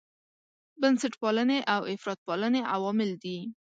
بنسټپالنې او افراطپالنې عوامل دي.